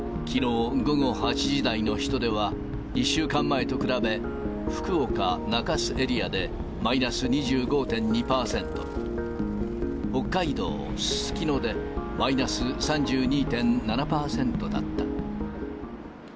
きのう午後８時台の人出は、１週間前と比べ、福岡・中洲エリアでマイナス２５．２％、北海道すすきので、マイナス３２．７％だった。